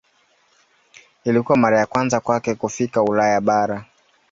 Ilikuwa mara ya kwanza kwake kufika Ulaya bara.